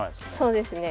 そうですね